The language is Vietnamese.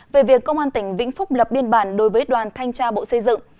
về việc công an tỉnh vĩnh phúc lập biên bản đối với đoàn thanh tra bộ xây dựng